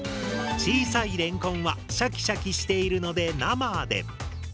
小さいレンコンはシャキシャキしているので生で。